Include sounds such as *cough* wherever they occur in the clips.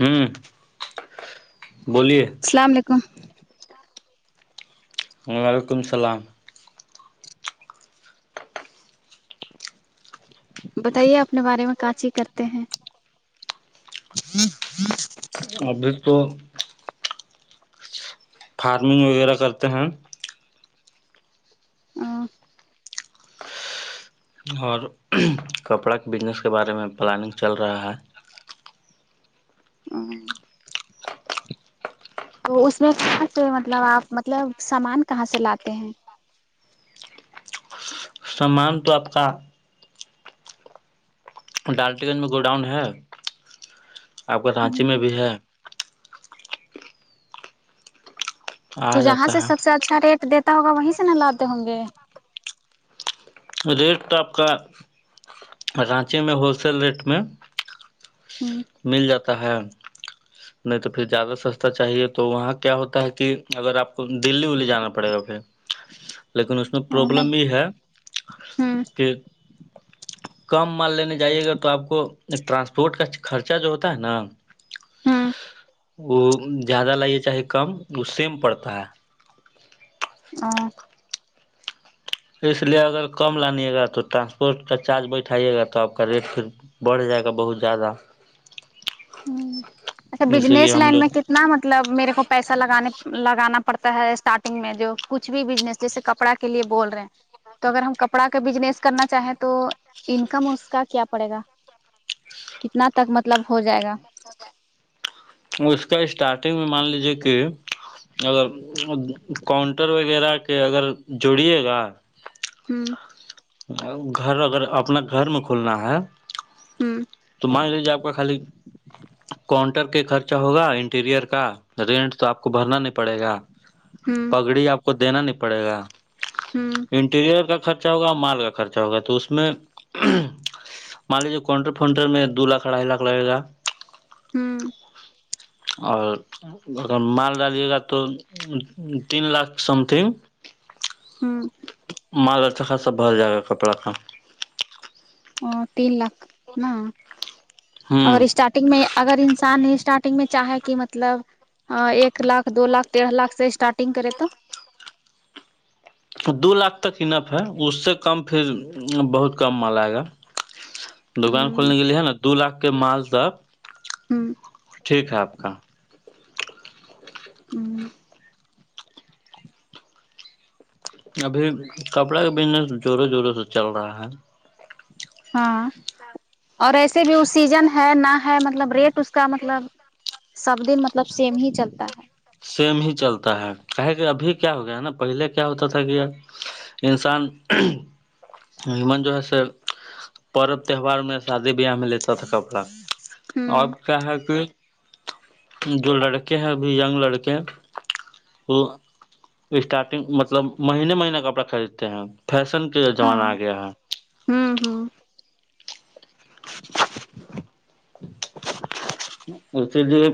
ہمم سلام علیکم وعلیکم السلام بتائیے اپنے بارے میں کاچی کرتے ہیں ابھی تو فارمنگ وغیرہ کرتے ہیں اور کپڑا کے بزنس کے بارے میں پلاننگ چل رہا ہے ہاں تو اس میں کہاں سے مطلب آپ مطلب سامان کہاں سے لاتے ہیں سامان تو آپ کا ڈالٹی گنج میں گو ڈاؤن ہے آپ کا رانچی میں بھی ہے تو آ جہاں جاتا سے سب سے ہے اچھا ریٹ دیتا ہوگا وہیں سے نہ لاتے ہوں گے ریٹ تو آپ کا رانچی میں ہول سیل ریٹ میں مل جاتا ہے نہیں تو پھر زیادہ سستا چاہیے تو وہاں کیا ہوتا ہے کی اگر آپ کو دلی ولی جانا پڑے گا ہے لیکن اس میں نہیں پرابلم یے ہے ہوں کہ *inaudible* کم مال لینے جائیے گا تو آپ کو ٹرانسپورٹ کا خرچہ جو ہوتا ہے نا وہ زیادہ لائیے چاہے کم وہ سیم پڑتا ہے آ اس لیے اگر کم لانیے گا تو ٹرانسپورٹ کا چارج بیٹھائیے گا تو آپ کا ریٹ پھر بڑھ جائے گا بہت زیادہ ہمم اچھا اسی لیے بجنیس ہم لائن لوگ میں کتنا مط طلب میرے کو پیسہ لگانے لگانا پڑتا ہے اسٹارٹنگ میں جو کچھ بھی بزنس جیسے کپڑا کے لیے بول رہے ہیں تو اگر ہم کپڑا کا بزنس کرنا چاہیں تو انکم اس کا کیا پڑے گا کتنا تک مطلب ہو جائے گا اس کا اسٹارٹنگ میں مان لیجیے کہ اگر کاؤنٹر وغیرہ کے اگر جوڑیے گا ہوں گھر اگر اپنا گھر میں کھلنا ہے ہوں تو مان لیجیے آپ کا خالی کاؤنٹر کے خرچ ہوگا انٹیریئر کا رینٹ تو آپ کو بھرنا نہیں پڑے گا ہوں گڑی آپ کو دینا نہیں پڑے گا ہوں انٹیریئر کا خرچ رچا ہوگا مال کا خرچا ہوگا تو اس میں مان لیجیے کونٹر فنٹر میں دو لاکھ اڑھائی لاکھ لے گا ہوں اور اگر مال ڈالیے گا تو تین لاکھ سمتھنگ ہوں مال اچھا خاصا بھر جائے گا کپڑا کا اور تین لاکھ ہاں اگر ہوں اسٹارٹ گ میں اگر انسان نے اسٹارٹنگ میں چاہے کہ مطلب ہاں ایک لاکھ دو لاکھ دیڑھ لاکھ سے اسٹارٹنگ کرے تو دو لاکھ تک انف ہے اس سے کم پھر بہت کم مال آئے گا دوکان ہوں کھولنے کے لیے ہے نا دو لاکھ کے مال تک ہوں ٹھیک ہے آپ کا ہوں ابھی کپڑا کا بزنس زوروں زوروں سے چل رہا ہے ہاں اور ایسے بھی وہ سیزن ہے نہ ہے مطلب ریٹ اس کا مطلب سب دن مطلب سیم ہی چلتا ہے سیم ہی چلتا ہے کہے کہ ابھی کیا ہو گیا ہے نا پہلے کیا ہوتا تھا کہ یار انسان این جو ہے س پرب تہوار میں شادی بیاہ میں لیتا تھا کپڑا ہوں اب کیا ہے کہ جو لڑکے ہیں کے ینگ لڑکے برکہ اللہ اسٹارٹنگ مطلب مہینے مہینے کپڑا خریدتے ہیں اب فیشن کے زمانہ آ ہاں گیا ہے ہوں ہوں *inaudible* اسی لیے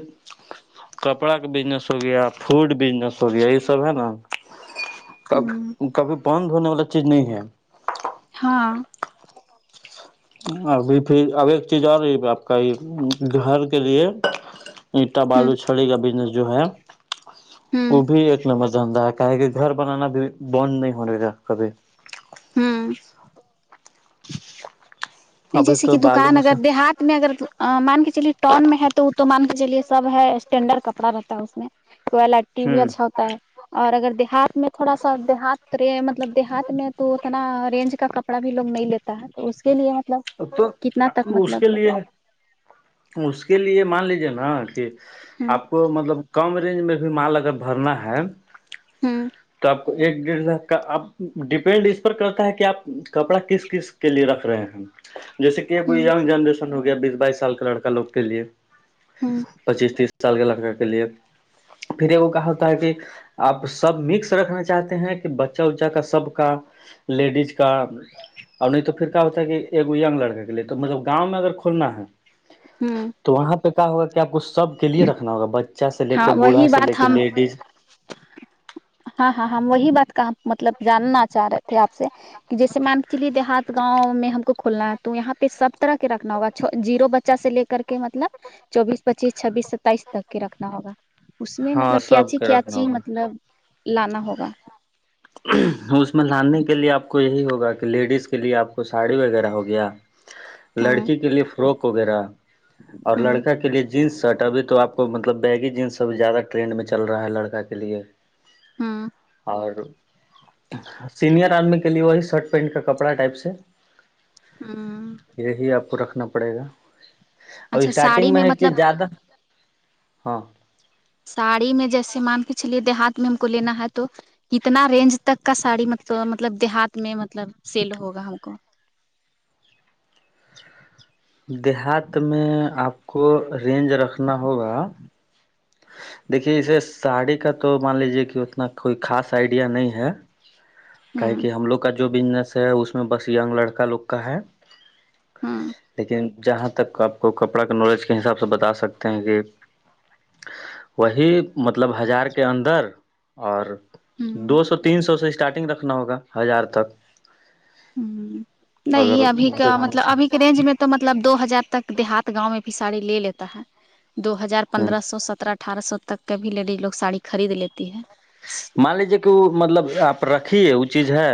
کپڑا کا بزنس ہو گیا فوڈ بزنس ہو گیا یہ سب ہے نا کب ہوں کبھی بند ہونے والا چیز نہیں ہے ہاں ابھی پھر اب ایک چیز آ رہی ہے آپ کا یہ گھر کے لیے اٹا ہوں بالو چھڑی کا بزنس جو ہے وہ ہوں بھی ایک نمبر سے دھندہ ہے کا ہے کہ گھر بنانا بھی بند نہیں ہو رہے گا کبھی ہوں نہیں ابھی جیسے کہ تو بالو دکان میں اگر سے دیہات میں اگر مان کے چلیے ٹون میں ہے تو وہ تو مان کے چلیے سب ہے اسٹینڈرڈ کپڑا رہتا ہے اس میں کو ٹی بھی اچھا ہوں ہوتا ہے اور اگر دیہات میں تھوڑا سا دیہات مطلب دیہات میں تو اتنا رینج کا کپڑا بھی لوگ نہیں لیتے تا تو اس کے لیے مطلب تو کتنا تک اس مطلب کے لیے اس کے لیے مان لیجیے نا کہ ہ آپ کو مطلب کم رینج میں بھی مال اگر بھرنا ہے ہوں تو آپ کو ایک ڈیڑھ لاکھ کا آپ ڈیپینڈ اس پر کرتا ہے کہ آپ کپڑا کس کس کے لیے رکھ رہے ہیں جیسے کہ ایک ہ یینگ جنریشن ہو گیا بیس بائیس سال کا لڑکا لوگ کے لیے ہ پچیس تیس سال کے لڑکا کے لیے پھر ایک کہا ہوتا ہے کہ آپ سب مکس رکھنا چاہتے ہیں کہ بچہ اچا کا سب کا لیڈیز کا اور نہیں تو پھر کیا ہوتا ہے کہ اگو ینگ لڑکے کے لیے تو مطلب گاؤں اگر میں کھلنا ہے ہم تو وہاں پہ کیا ہوگا کہ آپ کو سب کے لیے رکھنا ہوگا بچہ سے لے کے ہاں بوڑھا وہی سے لے بات کے ہم لیڈیز ہاں ہاں ہم وہی بات کہاں مطلب جاننا چاہ رہے تھے آپ سے جیسے مم کے لیے دیہات گاؤں میں ہم کو کھولنا ہے تو یہاں پہ سب طرح کے رکھنا ہوگا جیرو بچہ سے لے کے کر کے مطلب چوبیس پچیس چھبیس ستائیس تک کے رکھنا ہوگا اس میں ہاں مطلب سب کیاچی کے رکھنا کیاچی ہوگا مطلب لانا ہوگا اس میں لاننے کے لیے آپ کو یہی ہوگا کہ لیڈیز کے لیے آپ کو ساڑی وغیرہ ہو گیا ہوں لڑکی کے لیے فروک وغیرہ اور ہوں لڑکا کے لیے جینس شرٹ ابھی تو آپ کو مطلب بیگی جینس ابھی زیادہ ٹرینڈ میں چل رہا ہے لڑکا کے لیے ہاں اور سینئر آرمی کے لیے وہی شرٹ پینٹ کا کپڑا ٹائپ سے ہمم یہی آپ کو رکھنا پڑے گا اب اچھا ساڑی اسٹارٹنگ میں ہے کہ مطلب زیادہ ہاں ساڑی میں جیسے مان کے چلیے دیہات میں ہم کو لینا ہے تو کتنا رینج تک کا ساڑی مطلب مطلب دیہات میں مطلب سیل ہوگا ہم کو دیہات میں آپ کو رینج رکھنا ہوگا دیکھیے اسے ساڑی کا تو مان لیجیے کہ اتنا کوئی خاص آئیڈیا نہیں ہے کا ہوں کہہ ہم لوگ کا جو بزنس ہے اس میں بس ینگ لڑکا لوگ کا ہے ہوں لیکن جہاں تک آپ کو کپڑا کے نالج کے حساب سے بتا سکتے ہیں کہ وہی مطلب ہزار کے اندر اور ہوں دو سو تین سو سے اسٹارٹنگ رکھنا ہوگا ہزار تک ہ نہیں اگر ابھی کا دکھانا مطلب چاہ ابھی کے رینج میں تو مطلب دو ہزار تک دیہات گاؤں میں بھی سڑی لے لیتا ہے دو ہزار ہ پندرہ سو سترہ اٹھارہ سو تک کا بھی لیڈیز لوگ ساڑی خرید لیتی ہے مان لیجے کہ وہ مطلب آپ رکھیے وہ چیز ہے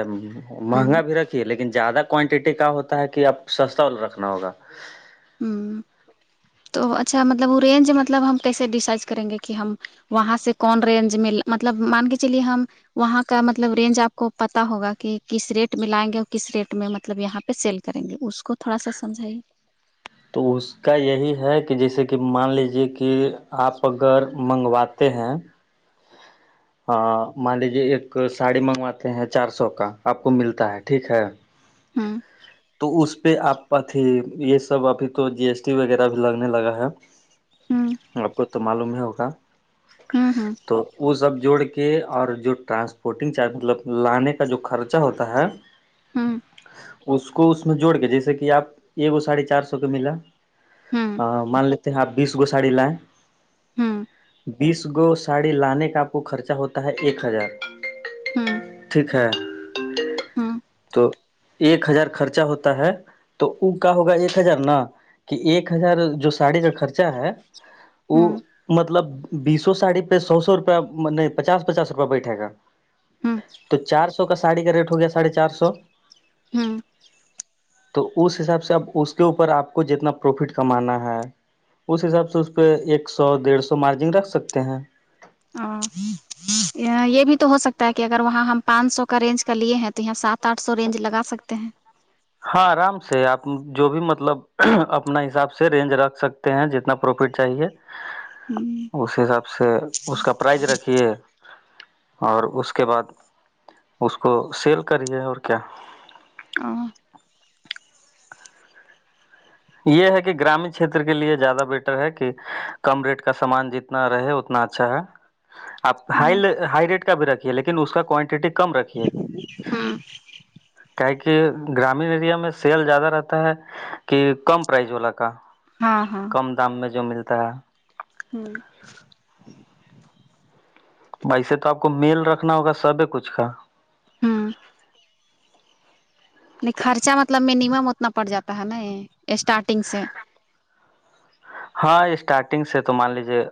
ہوں مہنگا بھی ر لیکن زیادہ کوانٹٹی کا ہوتا ہے کہ اب سستا رکھنا ہوگا ہوں تو اچھا مطلب وہ رینج مطلب ہم کیسے ڈیسائز کریں گے کہ ہم وہاں سے کون رینج م مطلب مان کے چلیے ہم وہاں کا مطلب رینج آپ کو پتا ہوگا کہ کس ریٹ میں لائیں گے اور کس ریٹ میں مطلب یہاں پہ سیل کریں گے اس کو تھوڑا سا سمجھائیے تو اس کا یہی ہے کہ جیسے کہ مان لیجیے کہ آپ اگر منگواتے ہیں ہاں مان لیجیے ایک ساڑی منگواتے ہیں چار سو کا آپ کو ملتا ہے ٹھیک ہے ہوں تو اس پہ آپ اھی یہ سب ابھی تو جی ایس ٹی وغیرہ بھی لگنے لگا ہے ہوں آپ کو تو معلوم ہی ہوگا ہوں تو وہ سب جوڑ کے اور جو ٹرانسپورٹنگ چارج مطلب لانے کا جو خرچہ ہوتا ہے ہم اس کو اس میں جوڑ کے جیسے کہ آپ ایکو ساڑھی چار سو کا ملا ہوں ا مان لیتے ہیں آپ بیس گو ساڑی لائیں ہم بیس گو ساڑی لانے کا آپ کو خرچہ ہوتا ہے ایک ہزار ٹھیک ہے ہاں تو ایک ہزار خرچا ہوتا ہے تو وہ کا ہوگا ایک ہزار نا کہ ایک ہزار جو ساڑی کا خرچہ ہے وہ ہوں مطلب بیسو ساڑی پہ سو سو روپیہ نہیں پچاس پچاس روپیہ بیٹھے گا ہوں تو چار سو کا ساڑی کا ریٹ ہو گیا ساڑھے چار سو ہوں تو اس حساب سے اب اس کے اوپر آپ کو جتنا پروفٹ کمانا ہے اس حساب سے اس پہ ایک سو ڈیڑھ سو مارجن رکھ سکتے ہیں ہاں یہ بھی تو ہو سکتا ہے کہ اگر وہاں ہم پانچ سو کا رینج کا لیے ہیں تو یہ سات آٹھ سو رینج لگا سکتے ہیں ہاں آرام سے آپ جو بھی مطلب اپنا حساب سے رینج رکھ سکتے ہیں جتنا پروفٹ چاہیے ہ اس حساب سے اس کا پرائز رکھیے اور اس کے بعد اس کو سیل کریے اور کیا ہاں یہ ہے کہ گرامین چھیتر کے لیے زیادہ بیٹر ہے کہ کم ریٹ کا سامان جت اتنا رہے اتنا اچھا ہے آپ ہائی ہائی ریٹ کا بھی رکھیے لیکن اس کا کوانٹیٹی کم رکھیے ہوں کیا ہے کہ گرامین ایریا میں سیل زیادہ رہتا ہے کہ کم پرائز والا کا ہاں ہاں کم دام میں جو ملتا ہے ہوں بسے تو آپ کو میل رکھنا ہوگا سبھی کچھ کا ہوں نہیں خرچہ مطلب منیمم اتنا پڑ جاتا ہے نا یہ اسٹارٹنگ سے ہاں اسٹارٹنگ سے تو مان لیجیے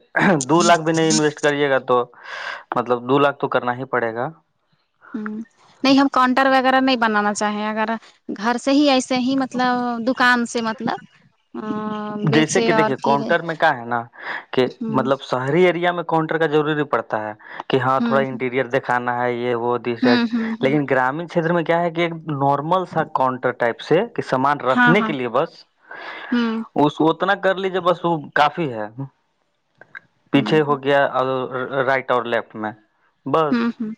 دو لاکھ بھی نہیں انویسٹ کریے گا تو مطلب دو لاکھ تو کرنا ہی پڑے گا ہ نہیں ہم کانٹر وغیرہ نہیں بنانا چاہیں اگر گھر سے ہی ایسے ہی مطلب دکان سے مطلب ہوں جیسے کہ دیکھیے کاؤنٹر میں کا ہے نا کہ ہ مطلب شہری ایریا میں کانٹر کا ضروری پڑتا ہے کہ ہاں ہ تھوڑا انٹیریئر دکھانا ہے یہ وہ ہ سرٹ ہ ہ لیکن گرامین چھیتر میں کیا ہے کہ ایک نارمل سا کانٹر ٹائپ سے کے سامان رکھنے کے لیے بس ہوں اس اتنا کر لیجیے بس وہ کافی ہے ہ پیچھے ہو گیا اگ رائٹ اور لیفٹ میں بس ہوں ہوں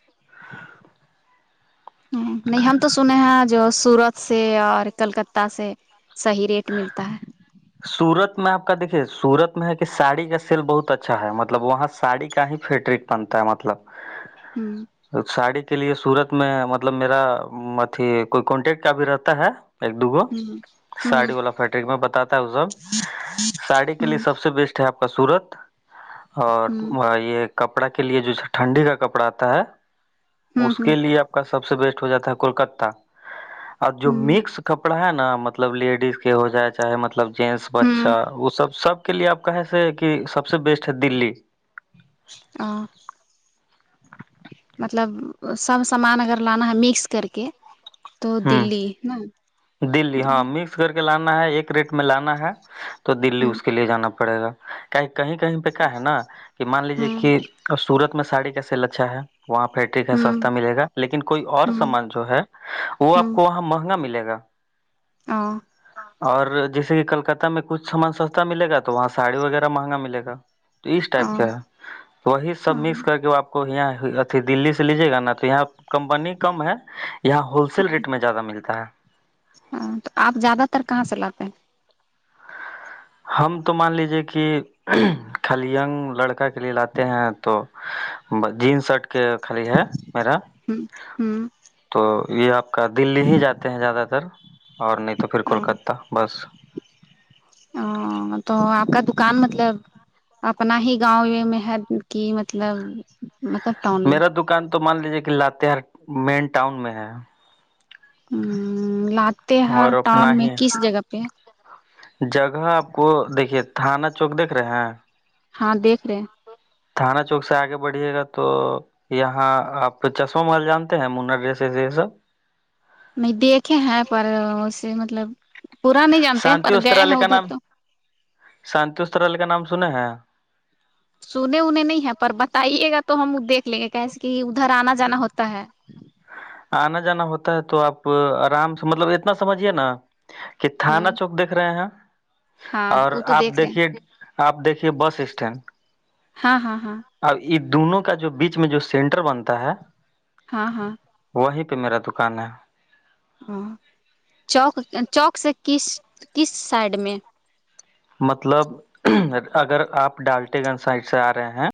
ہ نہیں ہم تو سنے ہیں آج جو سورت سے اور کلکتہ سے صحیح ریٹ ملتا ہے سورت میں آپ کا دیکے سورت میں ہے کہ ساڑی کا سیل بہت اچھا ہے مطلب وہاں ساڑی کا ہی فیٹرک پنتا ہے مطلب ہوں ساڑی کے لیے سورت میں مطلب میرا ماتھی کوئی کانٹیکٹ کا بھی رہتا ہے ایک دوگو ہوں ہوں ساڑی والا فیٹرک میں بتاتا ہے وہ سب ساڑی کے لیے ہوں سب سے بیسٹ ہے آپ کا سورت ہوں اور یے کپڑا کے لیے جو ٹھنڈی کا کپڑا آتا ہے اس کے ہوں لیے آپ کا سب سے بیسٹ ہو جاتا ہے کولکتا اور جو ہوں ہوں مکس کپڑا ہے نا مطلب لیڈیز کے ہو جاتا ہے چاہے مطلب جنٹس بچہ ہوں وہ سب سب کے لیے آپ کہیں سے کہ سب سے بیسٹ ہے دلی آ مطلب سب سامان اگر لانا ہے مکس کر کے تو دلی نہ دللی ہاں مکس کر کے لانا ہے ایک ریٹ میں لانا ہے تو دللی ہوں اس کے لیے جانا پڑے گا کا کہیں کہیں پے کیا ہے نا کہ مان لیجیے کی اور سورت میں ساڑی کا سیل اچھا ہے وہاں فیکٹری کا ہوں سستا ملے گا لیکن کوئی اور ہوں سامان جو ہے وہ آپ کو وہاں مہنگا ملے گا ہاں اور جیسے کی کلکتہ میں کچھ سامان سستا ملے گا تو وہاں ساڑی وغیرہ مہنگا ملے گا اس ٹائپ کے ہے وہی سب مکس کر کے آپ کو یہاں اھی دلی سے لیجے گا نا تو یہاں کمپنی کم ہے یہاں ہول سیل ریٹ میں زیادہ ملتا ہے ہاں تو آپ زیادہ تر کہا سے لاتے ہیں ہم تو مان لیجیے کی کلیگ لڑکا کے لیے لاتے ہیں تو جین شرٹ کے خالی ہے میرا ہیں ہ تو یے آپ کا دلی ہی جاتے ہیں زیادہ تر اور نہیں تو پھر کولکتہ بس ا تو آپ کا دکان مطلب اپنا ہی گاؤں یے میں ہے کی مطلب مطلب ٹاؤن میں میرا دکان تو مان لیجیے کی لااتہار مین ٹؤن میں ہے آمم لاتے ہر اور ٹاؤن اپنا میں ہی کس جگہ پے جگہ آپ کو دیکھیے تھانہ چوک دیکھ رہے ہیں ہاں دیکھ رہے ہیں تھانا چوک سے آگے بڑھیے گا تو یہاں آپ چشمہ محل جانتے ہیں منا ڈیس یے سب نہیں دیکھے ہیں پر اسے مطلب پورا نہیں جانتے شانتی پر گئے ہیں ادھر تو شنٹ اسٹرال کا نام سنا ہیں سنے انے نہیں ہے پر بتائیے گا تو ہم دیکھ لیں گے کیسے کی ادھر آنا جانا ہوتا ہے آنا جانا ہوتا ہے تو آپ آرام سے مطلب اتنا سمجھیے نا کہ تھانا ہوں چوک دیکھ رہے ہیں ہاں اور وہ تو آپ دیکھ رہے ہیں دیکھیے آپ دیکھیے بس اسٹینڈ ہاں ہاں ہاں اب یے دونوں کا جو بیچ میں جو سینٹر بنتا ہے ہاں ہاں وہی پے میرا دکان ہے ہاں چوک چوک سے کس کس سائڈ میں مطلب اگر آپ ڈالٹے گنج سائڈ سے آ رہے ہیں